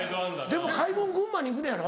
でも買い物群馬に行くのやろ？